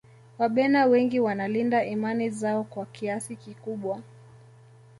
wabena wengi wanalinda imani zao kwa kiasi kikubwa